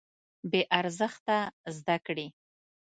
بې ارزښته زده کړې.